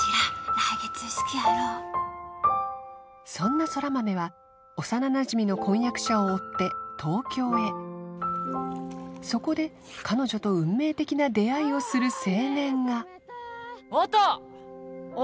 来月式やろそんな空豆は幼なじみの婚約者を追って東京へそこで彼女と運命的な出会いをする青年が音！